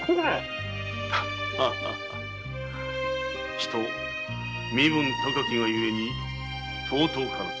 人身分高きがゆえに尊からず。